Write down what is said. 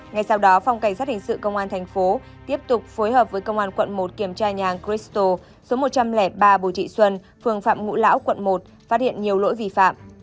ngay sau đó phòng cảnh sát hình sự công an thành phố tiếp tục phối hợp với công an quận một kiểm tra nhà hàng crystal số một trăm linh ba bồ trị xuân phường phạm ngũ lão quận một phát hiện nhiều lỗi vi phạm